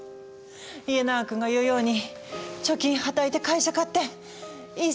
家長くんが言うように貯金はたいて会社買っていっそ社長に。